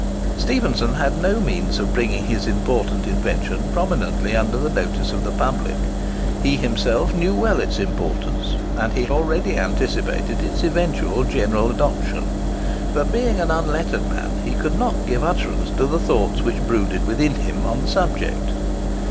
Stephenson had no means of bringing his important invention prominently under the notice of the public. He himself knew well its importance, and he already anticipated its eventual general adoption; but being an unlettered man, he could not give utterance to the thoughts which brooded within him on the subject.